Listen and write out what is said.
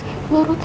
saya baru tahu